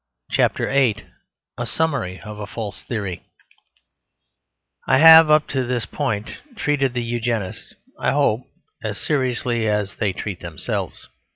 CHAPTER VIII A SUMMARY OF A FALSE THEORY I have up to this point treated the Eugenists, I hope, as seriously as they treat themselves.